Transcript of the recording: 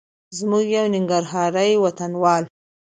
زموږ یو ننګرهاري وطنوال